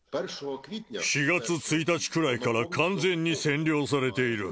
４月１日くらいから完全に占領されている。